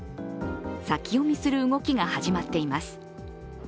先読みする動きが始まっています。